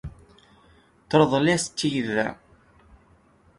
Teṛḍel-as-t-id?